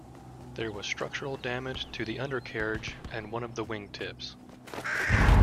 There was structural damage to the undercarriage and one of the wing tips.